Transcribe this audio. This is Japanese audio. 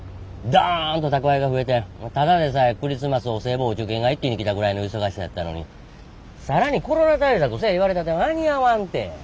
ドンと宅配が増えてただでさえクリスマスお歳暮お中元が一気に来たぐらいの忙しさやったのに更にコロナ対策せぇ言われたって間に合わんて。